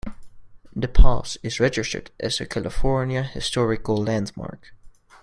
The pass is registered as a California Historical Landmark.